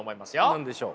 何でしょう？